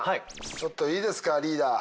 ちょっといいですかリーダー。